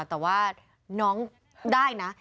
แต่ว่าน้องได้นะ